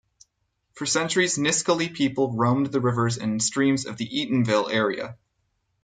For centuries, Nisqually people roamed the rivers and streams of the Eatonville area.